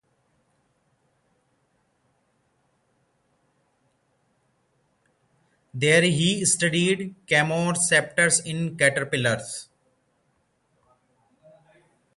There he studied chemoreceptors in caterpillars.